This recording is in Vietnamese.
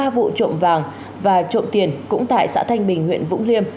ba vụ trộm vàng và trộm tiền cũng tại xã thanh bình huyện vũng liêm